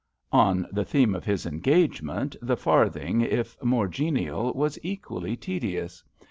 On the theme of his engagement, The Farthing," if more genial, was equally tedious.